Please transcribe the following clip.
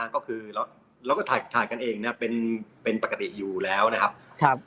ก็คือเราก็ถ่ายกันเองเป็นปกติอยู่แล้วนะครับ